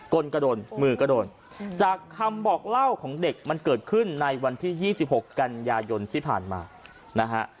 กลก็โดนมือก็โดนจากคำบอกเล่าของเด็กมันเกิดขึ้นในวันที่๒๖กันยายนที่ผ่านมานะฮะ